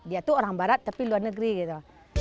dia tuh orang barat tapi luar negeri gitu